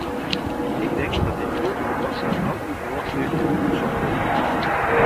Ik denk dat dit grote debat aan al uw verwachtingen tegemoet zal komen.